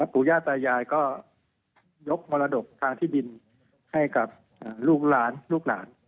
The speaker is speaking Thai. ผู้ญาตรยายก็ยกประดกทางทิตย์บินให้กับลูกหลาน